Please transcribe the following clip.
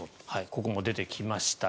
ここも出てきました。